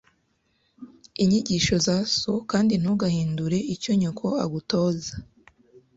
inyigisho za so kandi ntugahinyure icyo nyoko agutoza